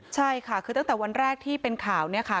ใช่ค่ะคือตั้งแต่วันแรกที่เป็นข่าวเนี่ยค่ะ